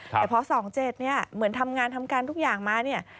แต่พอ๒๗เนี่ยเหมือนทำงานทำการทุกอย่างมาเนี่ย